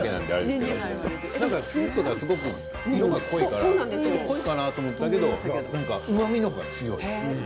スープの色が濃いから濃いのかなと思ったけど、うまみの方が強い。